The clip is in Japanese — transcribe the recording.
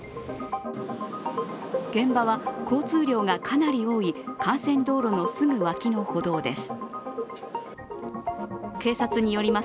現場は交通量がかなり多い幹線道路のすぐ脇の歩道です。